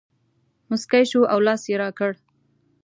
مسکی شو او لاس یې راکړ.